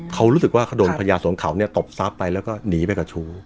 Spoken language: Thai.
เขารู้สึกว่าเขาโดนภรรยาสวงเขาเนี่ยตบซ้าปไปแล้วก็หนีไปกับชู